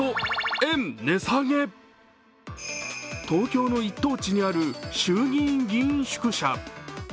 東京の一等地にある衆議院議員宿舎。